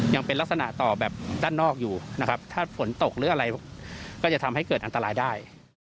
ยังเป็นลักษณะต่อแบบด้านนอกอยู่นะครับถ้าฝนตกหรืออะไรก็จะทำให้เกิดอันตรายได้